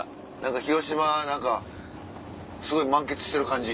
広島何かすごい満喫してる感じ。